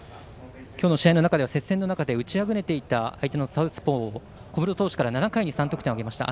今日の試合では接戦の中で打ちあぐねていた相手のサウスポー小室投手から７回に３得点を挙げました。